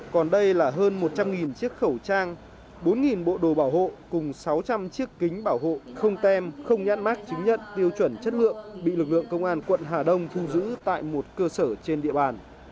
còn đây là hơn một trăm linh chiếc khẩu trang bốn bộ đồ bảo hộ cùng sáu trăm linh chiếc kính bảo hộ không tem không nhãn mát chứng nhận tiêu chuẩn chất lượng bị lực lượng công an quận hà đông thu giữ tại một cơ sở trên địa bàn